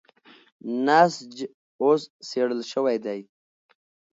نسج اوس څېړل شوی دی.